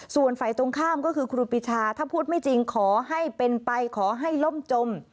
ส่วนฝ่ายตรงข้ามก็คือครูปีชาถ้าพูดไม่จริงขอให้เป็นไปขอให้ล่มจม